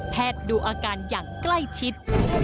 ดูอาการอย่างใกล้ชิด